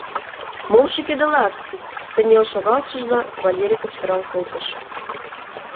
— Мом шӱкедылат?! — кынел шогалшыжла, Валерий кычкырал колтыш.